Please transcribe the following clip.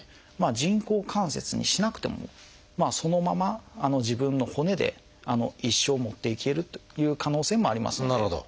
人工関節にしなくてもそのまま自分の骨で一生もっていけるという可能性もありますので。